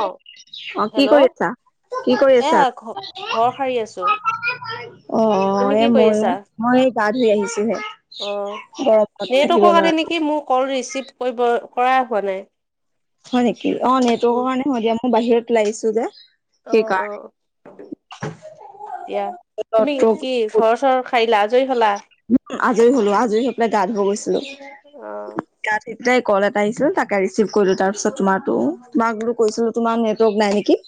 অ অ', কি হেল্ল' কৰি আছা? কি কৰি এ আছা? ঘ অ', ঘৰ সাৰি আছো অ, তুমি এ কি কৰি ময়ো। আছা মই এই গা ধুই আহিছো হে। অ', নেটৱৰ্কৰ কাৰণে নেকি মোৰ কল ৰিচিভ কৰিব কৰাই হোৱা নাই। হয় নেকি? অ', নেটৱৰ্কৰ উম, কাৰণে হয় দিয়া মই বাহিৰত ওলাই আহিছো যে অ সেইকাৰণে। এতিয়া, তুমি নেটৱৰ্ক কি ঘৰ - চৰ সাৰিলা, আজৰি হ'লা? আজৰি হ'লো আজৰি হৈ পেলাই গা ধুব গৈছিলো। অ'। গা ধুই পেলাই কল এটা আহছিল তাকে ৰিচিভ কৰিলো তাৰ পিছত তোমাৰ টো তোমাক বোলো কৈছিলোঁ তোমাৰ নেটৱৰ্ক নাই নেকি।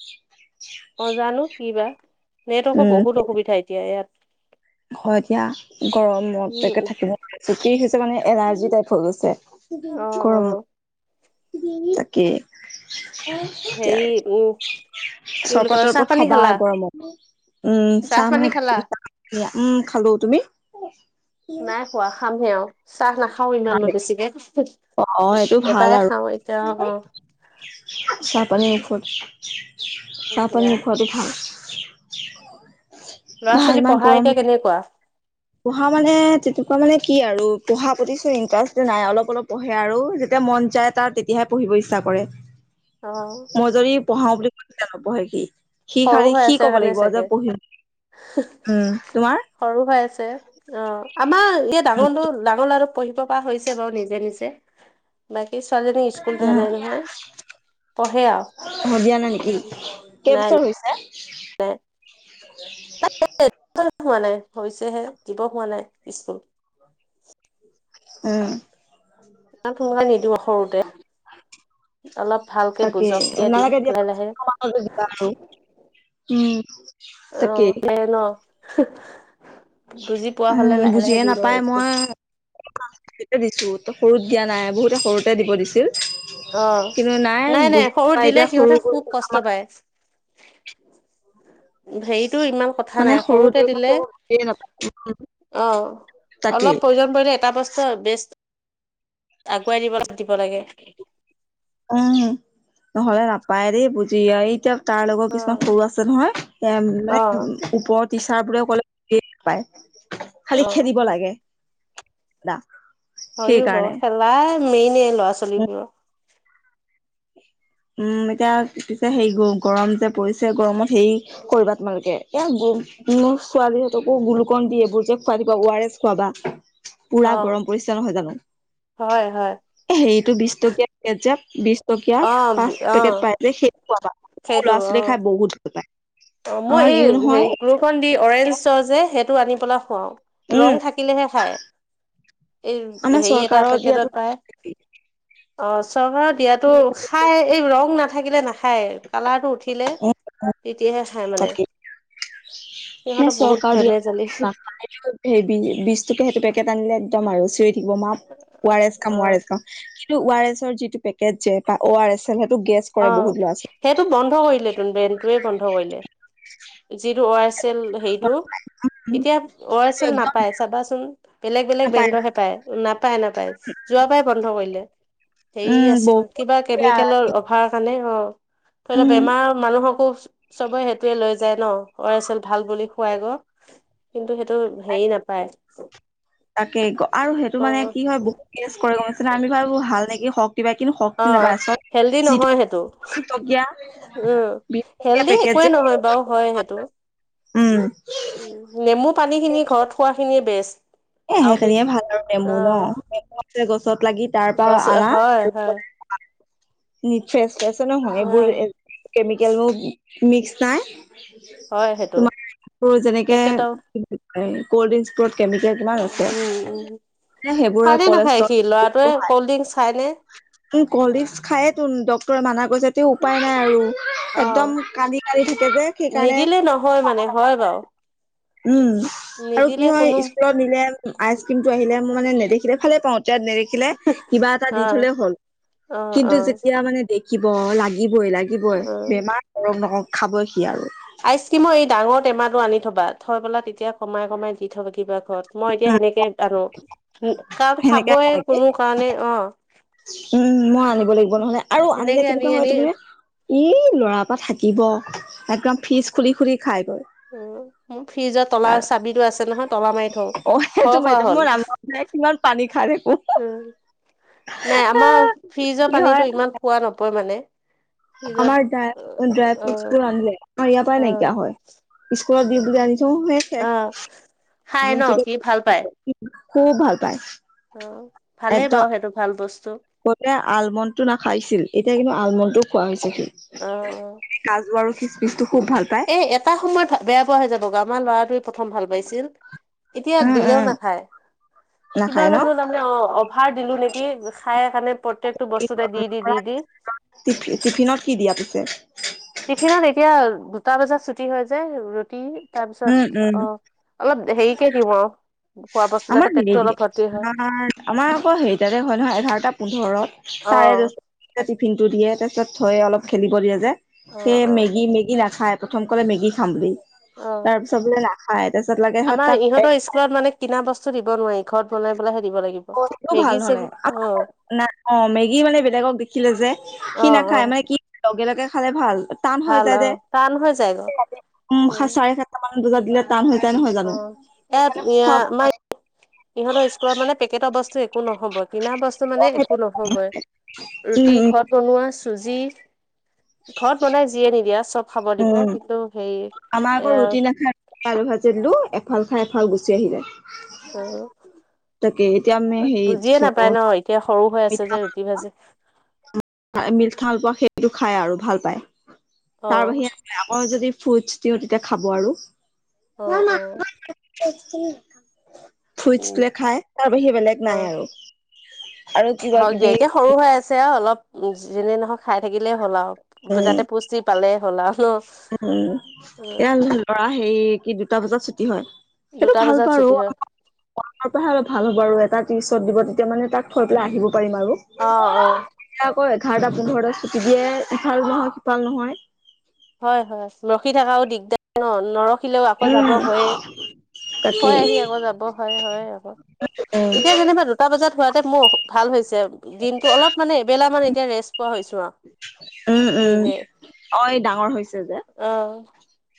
অ', জানো কি বা নেটৱৰ্কৰ উম বহুত অসুবিধা এতিয়া ইয়াত। হয় দিয়া, গৰমত একে উম থাকিব নোৱাৰা হৈছোঁ কি হৈছে মানে এলাৰ্জি টাইপ হৈ অ গৈছে। অ গৰমত তাকে। হেৰী উম কি বুলি চৰবত কয় চাহ তৰবত পানী খাবা খালা গৰমত উম, চাহ পানী মানে খালা গাখীৰ চাহ উম, খালোঁ তুমি? নাই খোৱা খামহে আৰু চাহ নাখাওঁ ইমান মই বেছিকে। অ', অ', সেইটো ভাল এবাৰে আৰু। খাওঁ এতিয়া অ চাহ পানি নোখোৱা অ চাহ পানি দিয়া নোখোৱাটো ভাল। [inaudible] ল'ৰা-ছোৱালী ইমান পঢ়া গৰম এতিয়া কেনেকুৱা? পঢ়া মানে তেনেকুৱা মানে কি আৰু পঢ়াৰ প্ৰতি চোন ইণ্টাৰেষ্ট নাই অলপ অলপ পঢ়ে আৰু যেতিয়া মন যায়। তাৰ তেতিয়াহে পঢ়িব ইচ্ছা কৰে। অ'। মই যদি পঢ়াও বুলি কওঁ তেতিয়া নপঢ়ে সি। সি খালী হৈ সি আছে ক'ব কাৰণে লাগিব যে চাগে পঢ়িম উম, তোমাৰ? সৰু হৈ আছে অ', আমাৰ এতিয়া ডাঙৰটো ডাঙৰ ল'ৰাটো পঢ়িব পৰা হৈছে বাৰু নিজে নিজে, বাকী ছোৱালীজনীক স্কুল দিয়া নাই নহয়। পঢ়ে আৰু অ', দিয়া নাই নেকি কেইবছৰ হৈছে? এ চ হোৱা নাই হৈছেহে দিব হোৱা নাই স্কুল। উম। ইমান সোনকালে নিদিওঁ সৰুতে অলপ ভালকে বুজক তেতিয়া দিম লাহে লাহে। হ'লেও দিবা আৰু উম। তাকেই অ', ভালে ন'। বুজি পোৱা উম, হলে লাহে লাহে বুজিয়ে দিম আৰু নাপায় স্কুল মই ঠিকে দিছোঁ, তই সৰুত দিয়া নাই বহুতে সৰুতে দিব দিছিল। অ কিন্তু নাই বুজি সৰুত পোৱা দিলে এতিয়া সিহঁতে খুব সৰুবোৰ কষ্ট আমাৰ পায় হেৰিটো ইমান কথা নাই মানে সৰুতে দিলে সৰু [unintelligible] অ তাত অলপ প্ৰয়োজন পৰিলে এটা বস্তু বেছ আগুৱাই দিব দিব লাগে। উম, নহ'লে নাপায় দেই বুজি আ এতিয়া তাৰ লগৰ অ কিছুমান সৰু আছে নহয় এ অ মানে ওপৰৰ টিচাৰ বোৰে ক'লে বুজিয়ে নাপায় অ খালি খেলিব লাগে। দা হয়ো বাৰু সেইকাৰণে খেলাই মেইনে ল'ৰা-ছোৱালীবোৰৰ। উম, এতিয়া পিছে সেই গৰম যে পৰিছে গৰমত হেৰি কৰিবা তোমালোকে এ মোৰ ছোৱালীহতঁকো গ্লুকন ডি এইবোৰ যে খুৱাই দিবা ও আৰ এছ খুৱাবা। অ পুৰা গৰম পৰিছে নহয় জানো। হয়, হয়। এ হেৰিটো বিশ টকীয়া পেকেত যে বিশ টকীয়া। অ অ এ সেইটো খুৱাবা সেইটো অ ল'ৰা-ছোৱালীয়ে খাই বহুত ভাল পায়। অ', মই আমাৰ এই ইও হে নহয় গ্লুকন ডি অৰেঞ্জ চ যে সেইটো আনি পেলাই খুৱাওঁ। উম ৰং থাকিলেহে খায়। এই আমাৰ হেৰি এটা চৰকাৰৰ পেকেটত দিয়াতো পায়। অ' চৰকাৰ দিয়াতো খাই। এই ৰং নাথাকিলে নাখায় কালাৰটো উঠিলে তেতিয়াহে খায় মানে। তাকে সিহঁতৰ বহুত চৰকাৰ ধেমেজালি দিয়াতো পায় [unintelligible] সেই বি বিশটকীয়া সেইটো পেকেট আনিলে একদম আৰু চিঞৰি থাকিব মা ও আৰ এছ খাম, অ ও আৰ এছ খাম। ও আৰ এছৰ যিটো পেকেট যে বা ও আৰ এছ এল সেইটো গেছ কৰে অ'। বহুত ল'ৰা ছোৱালী সেইটো বন্ধ কৰিলে ত' ব্ৰেণ্ডটোয়ে বন্ধ কৰিলে যিটো ও আৰ এচ এল হেৰিটো এতিয়া ও আৰ এচ এল একদম নাপায় চাবাচোন বেলেগ বেলেগ নাপায় ব্ৰেণ্ডৰহে পায়। নাপায় নাপায় যোৱা বাৰে বন্ধ কৰিলে, হেৰি উম আছিল বহুত কিবা বেয়া কেমিকেলৰ অভাৰ কাৰণে অ' ধৰি লোৱা উম বেমাৰ মানুহকো চবে সেইটোৱে লৈ যায় ন ও আৰ এচ এল ভাল বুলি খোৱাই গে। কিন্তু সেইটো হেৰি নাপায়। তাকে আৰু সেইটো অ মানে কি হয় বহুত টেষ্ট কৰে গম পাইছানে আমি ভাবোঁ ভাল নেকি খওঁক। কিবা কিন্তু অ শক্তি নাপায় চ' হেল্ডি যিটো নহয় সেইটো বিশটকীয়া উম হেল্ডি একোৱে নহয় বাৰু হয় সেইটো। উম। উ নেমু পানীখিনি ঘৰত খোৱাখিনিয়ে বেষ্ট। এ আৰু বিচ সেইখিনিয়ে ভাল আৰু অ নেমু ন। গছত লাগি তাৰ পৰা গছ আনা হয় হয় ফ্ৰেচ ফেছে অ নহয় এইবোৰ কেমিকেল মোৰ মিক্স নাই। হয় সেইটো তোমাৰ [unintelligible] যেনেকে পেকেটৰ কল্ড ড্ৰিংকচবোৰত কেমিকেল কিমান আছে উম উম সেইবোৰে খালে নাখায় কলেষ্ট্ৰল সি বহুত ল'ৰাটোৱে বঢ়ায়। কল্ড ড্ৰিংক খাইনে উম কল্ড ড্ৰিংক খায় তো ডক্তৰে মানা কৈছে তে উপায় নাই আৰু। অ একদম কান্দি কান্দি থাকে যে সেইকাৰণে নিদিলে নহয় মানে হয় বাৰু উম আৰু কি নিদিলে হয় কোনো নিলে আইচ ক্ৰীমটো আহিলে মই মানে নেদেখিলে ভালে পাওঁ [unintelligible] কিবা এটা অ দি থলেও হ'ল অ অ কিন্তু যেতিয়া মানে দেখিব লাগ লাগিবই লাগিবই অ বেমাৰ [unintelligible] খাবই সি আৰু। আইচ ক্ৰীমৰ এই ডাঙৰ টেমাটো আনি থবা। থৈ পেলা তেতিয়া কমাই কমাই দি থবা কিবা মই এতিয়া উম সেনেকে আনো কাৰণ সেনেকে খাবই লাগে কোনো কাৰণে অ'। উম মই আনিব লাগিব নহ'লে আৰু আনিলে সেনেকে আনি কেনেকুৱা আনি হয় [unintelligible] ই ল'ৰাৰ পৰা থাকিব। একদম ফ্ৰিজ খুলি খুলি খাই গৈ। অ' মোৰ ফ্ৰিজত তলা আৰু চাবিটো আছে নহয় তলা মাৰি থওঁ অ সেইটো ভয় মই খোৱা মই হ'ল। ৰান্ধোতে কিমান পানী খাই থাকো। নাই আমাৰ কি ফ্ৰিজৰ হয় পানীটো ইমান খোৱা নপৰে মানে। ফ্ৰিজত আমাৰ ডা, ই অ', ড্ৰাই অ', ফ্ৰুটচবোৰ আনিলে আমাৰ ইয়াৰ পৰা অ', নাইকিয়া হয়। স্কুলত দি বুলি আনি থও এ শেষ অ', খাই ন সি ভাল পায় [unintelligible] খুব ভাল পায়। অ' ভালেই বাৰু সেইটো ভাল বস্তু। কতে আলমণ্ডটো নাখাইছিল এতিয়া কিন্তু আলমণ্ডটোও খোৱা হৈছে সি। অ', অ'। কাজু আৰু খিচমিচটো খুব ভাল পায়। এ এটা সময়ত বেয়া পোৱা হৈ যাব আমাৰ ল'ৰাটোৱে প্ৰথম ভাল পাইছিল। এতিয়া উম দিলেও উম নাখায় কিবা নাখায় ন জানো তাৰমানে অ অফাৰ দিলো নেকি খাইে কাৰণে প্ৰত্য়েকটো বস্তুতে দি দি দি দি টিফ টিফিনত কি দিয়া পিছে টিফিনত এতিয়া দুটা বজাত ছুটি হয় যে ৰুটি উম তাৰপিছত উম অ অলপ হেৰিকে দিওঁ আৰু খোৱা বস্তু আমাৰ যাতে হেৰি পেটটো অলপ ভৰ্তি হয় আমাৰ আমাৰ আকৌ হেৰিততে হয় নহয় এঘাৰটা পোন্ধৰত চাৰে অ', দ টিফিন টো দিয়ে তাৰপিছত থৈ অলপ খেলিব দিয়ে যে অ', সেই অ', মেগি মেগি নাখায় প্ৰথম কলে মেগি খাম বুলি অ', তাৰ পিছত বোলে নাখায় তাৰপিছত লাগে হ আমাৰ তাক [unintelligible] মানে কিনা বস্তু দিব নোৱাৰি ঘৰত বনাই পেলাইহে দিব লাগিব টো ভাল মেগী নহলে চেগি অ', নাই অ মেগী মানে বেলেগক দেখিলে যে কি অ', নাখায় অ', মানে কি লগে লগে খালে ভাল টান হৈ ভাল যায় যে অ', টান হৈ যায় গ উম সাত চাৰে সাতটা মানত বোজাত দিলে টান হৈ যায় নহয় জানো অ', সেইকাৰণে সব ইহতৰ স্কুলত মানেটৰ বস্ত এক নহব কিনা বস্তু মানে একো নহবই উম ৰুটি উম ঘৰত বনোৱা চুজি ঘৰত বনাই যিয়ে নিদিয়া চব খাব দিব উম কিন্তু সেই আমাৰ আকৌ এ ৰুটি নাখায় আলু ভাজি দিলো এফাল খাই এফাল গুচি আহিলে তাকে এতিয়া আমি অ হেৰি বুজিয়ে নাপায় ন এতিয়া সৰু হৈ আছে যে ৰুটি ভাজি মিল্ খালপোৱা সেইটো খাই আৰু ভাল পায় তাৰ অ', বাহিৰে আক যদি ফুডছ দিওঁ তেতিয়া খাব আৰু অ', অ', ফ্ৰুইটছ উম, খাই তাৰ বাহি বেলেগ অ'। নাই আৰু আৰু কিবা হওক দিয়া কিবি এতিয়া সৰু হৈ আছে আৰু অলপ যেনে নহওক খাই থাকিলেই হ'ল আৰু যাতে পুষ্টি পালে হ'লা ন উ উ এয়া লৰা হেৰি কি দুটা বজাত ছুটি হয় দুটা সেইটো ভাল বজাত বাৰু ছুটি হয় [unintelligible] পৰাহে অলপ ভাল হ'ব আৰু এটা ত্ৰিশত দিব তেতিয়া মানে তাক থৈ পেলাই আহিব পাৰিম আৰু অ অ এতিয়া আকৌ এঘাৰটা পোন্ধৰতে ছুটি দিয়ে ইফালো নহয় সিফাল নহয় হয় হয় ৰখি থকাও দিগদাৰ ন নৰখিলেও আকৌ যাব উম হয় হয় তাকেই আহি আকৌ যাব হয় হয় আকৌ এতিয়া যেনিবা দু- -টা বজাত হোৱাতে মোৰ ভাল হৈছে দিনটো অলপ মানে এবেলা মান এতিয়া ৰেষ্ট পোৱা হৈছোঁ আৰু উম উম নিজে অ ই ডাঙৰ হৈছে যে অ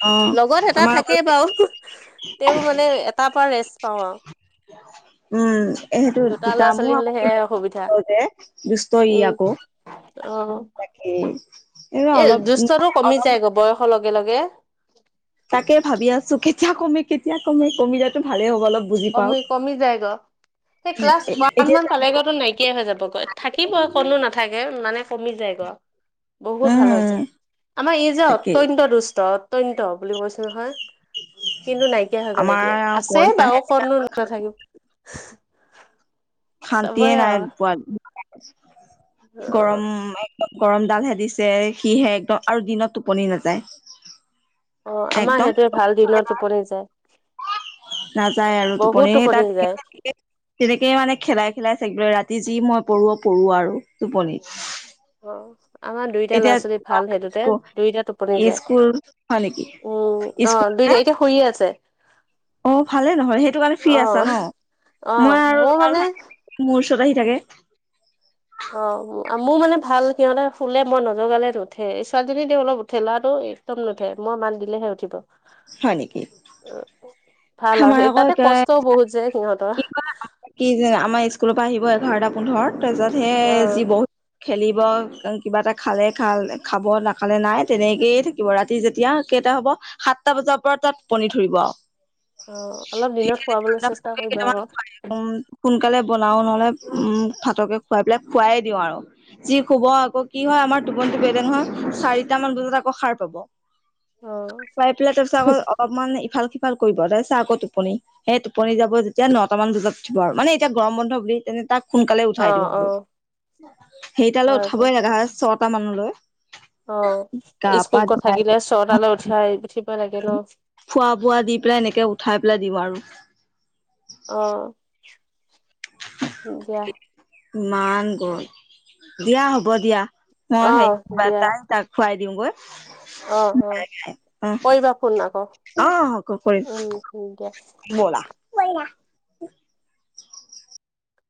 অ লগত এটা আমাৰ আকৌ থাকেই বাৰু তেওঁ মানে এটাৰ পৰা ৰেষ্ট পাওঁ আৰু উম এ [unintelligible] দুটা ল'ৰা ছোৱালী হলে সেয়াই অসুবিধা যে দুষ্ট ই উম আকৌ অ [unintelligible] এই অলপ দুষ্টটো কমি অলপ যায় গৈ বয়সৰ লগে লগে তাকে ভাবি আছো কেতিয়া কমে কেতিয়া কমে কমিলেতো ভালেই হ'ব অলপ বুজি পাওক কমি কমি যায় গ সি ক্লাছ ওৱান এতিয়া মান পালেগৈতো নাইকিয়াই হৈ যাব গৈ থাকিবই কতনো না - -থাকে মানে কমি যায় গ বহুত ভাল হৈছে উম আমাৰ ই যে তাকেই অত্যন্ত দুষ্ট অত্যন্ত বুলি কৈছো নহয় কিন্তু নাইকিয়া হৈ গ'ল আমাৰ এতিয়া আৰু আছে কৈছাহে বাৰু কতনো নাথাকিব। শান্তিয়ে চবৰে নাই আৰু পোৱা অ গৰম গৰম ডালহে দিছে সিহে একদম আৰু দিনত টোপনি নাযায়। অ', আমাৰ একদম সেইটোৱে ভাল দিনত টোপনি যায়। নাযায় আৰু বহুত টোপনি সেই তাক যায় [unintelligible] তেনেকেই মানে খেলাই খেলাই থাকে ৰাতি যি মই পৰো-পৰো আৰু টোপনি। অ আমাৰ দুইটা ল'ৰা এতিয়া ছোৱালী ভাল সেইটোতে দুইটা টোপনি যায় স্কুল হয় নেকি উম স্কু অ', দুইটা এতিয়া শুইয়ে আছে। অ', ভালে নহয় সেইটো কাৰণে ফ্ৰী আছা অ অ ন' মই আৰু মোৰ লৰা মানে মোৰ ওচৰত আহি থাকে। অ', মোৰ মানে ভাল। সিহঁতে শুলে মই নজগালে নুঠেই ছোৱালীজনী তেও অলপ উঠে ল'ৰাটো একদম নুঠে মই মাত দিলেহে উঠিব। হয় নেকি? ভাল আমাৰ আৰু আকৌ তাতে কষ্টও বহুত যে কি সিহঁতৰ। কয় কি যেন আমাৰ স্কুলৰ পৰা আহিব এঘাৰটা পোন্ধৰ তাৰপিছত অ সেই যি ব খেলিব কিবা এটা খালে খাল খাব নাখালে নাই তেনেকৈয়ে থাকিব ৰাতি যেতিয়া কেইটা হ'ব সাতটা বজাৰ পৰা তাৰ টোপনি ধৰিব আৰু। অ', অলপ দিনত শুৱাবলৈ চেষ্টা কৰিবা কেইটামান আকৌ। খুৱাই উম। সোনকালে বনাও নহলে উম ভাতকে খুৱাই পেলাই শুৱাই দিও আৰু। যি শুব আকৌ কি হয় আমাৰ টোপনিটো বেলেগ নহয় চাৰিটা মান বজাত আকৌ সাৰ পাব। অ খাই পেলাই তাৰপিছত আকৌ অলপমান ইফাল সিফাল কৰিব তাৰপিছত আকৌ টোপনি। সেই টোপনি যাব যেতিয়া নটা মান বজাত উঠিব আৰু মানে এতিয়া গৰম বন্ধ বুলি তেনে তাক সোনকালে অ উঠাই দিও অ হেৰিটালৈ উঠাবই লগা হয় ছটা মানলৈ। অ', গা পা স্কুল কত ধুৱাই থাকিলে ছয়টালৈ উঠাই আহ উঠিব লাগে ন। খোৱা বোৱা দি পেলাই এনেকে উঠাই পেলাই দিও আৰু। অ', দিয়া। ইমান গ দিয়া হ'ব দিয়া মই অ হেৰি কিবা দিয়া তাই তাক খুৱাই দিওঁ গৈ। অ অ অ', কৰিবা ফোন আকৌ অ' ক কৰিম। উম দিয়া ব'লা-ব'লা।